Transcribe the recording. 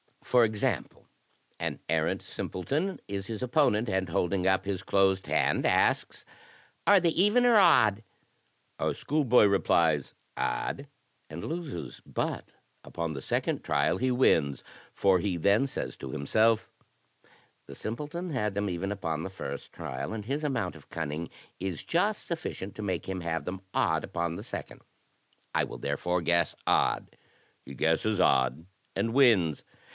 For example, an arrant simple ton is his opponent, and, holding up his closed hand, asks, * are they even or odd?* Our schoolboy replies, 'odd,' and loses; but upon the second trial he wins, for he then says to himself, 'the simpleton had them even upon the first trial, and his amount of cunning is just sufficient to make him have them odd upon the second; I will therefore guess odd;' — ^he guesses odd, and wins.